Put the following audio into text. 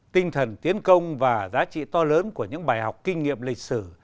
tinh thần tiến công và giá trị to lớn của những bài học kinh nghiệm lịch sử